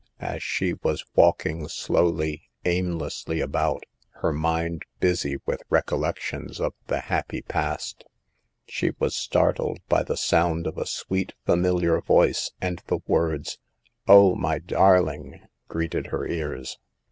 As she was walking slowly, aimlessly about, her mind busy with recollections of the happy past, she was startled by the sound of a sweet, familiar voice, and the words, "Oh, my darling," greeted her ears.